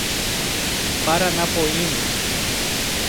Paranapoema